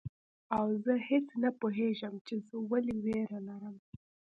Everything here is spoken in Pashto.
او زه هیڅ نه پوهیږم چي زه ولي ویره لرم